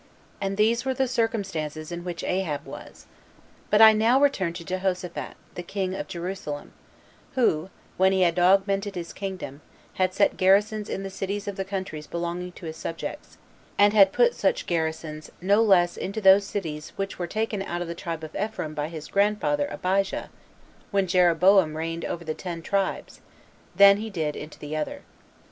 1. And these were the circumstances in which Ahab was. But I now return to Jehoshaphat, the king of Jerusalem, who, when he had augmented his kingdom, had set garrisons in the cities of the countries belonging to his subjects, and had put such garrisons no less into those cities which were taken out of the tribe of Ephraim by his grandfather Abijah, when Jeroboam reigned over the ten tribes [than he did into the other].